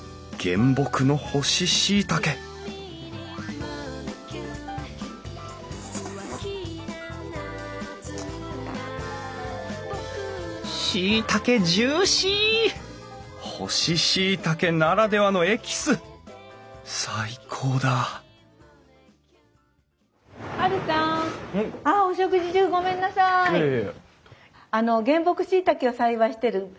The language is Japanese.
あの原木しいたけを栽培してる岩下兄弟。